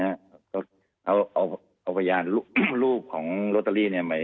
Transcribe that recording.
เอาพยานรูปของโรตเตอรี่